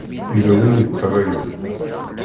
Yella win i yeṭṭalayen.